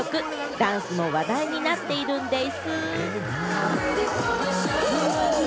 ダンスも話題になっているんでぃす。